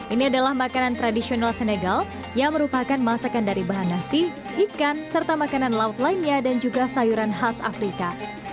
ini adalah makanan tradisional senegal yang merupakan masakan dari bahan nasi ikan serta makanan laut lainnya dan juga sayuran khas afrika